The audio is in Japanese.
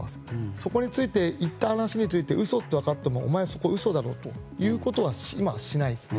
そこについて、言った話について嘘だと分かってもお前、それは嘘だろうという話は今はしないですね。